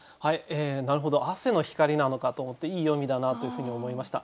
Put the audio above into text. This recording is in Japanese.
なるほど汗の光なのかと思っていい読みだなというふうに思いました。